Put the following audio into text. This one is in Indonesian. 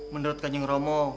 menurut kanjeng romo